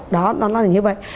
đó nó là như vậy